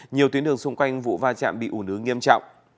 nhiều tuyến đường xung quanh vụ va chạm bị ủ nứ nghiêm trọng